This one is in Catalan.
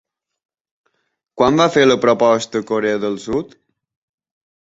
Quan va fer la proposta Corea del Sud?